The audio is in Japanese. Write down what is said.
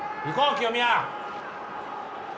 清宮。